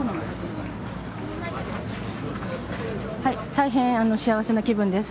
大変、幸せな気分です。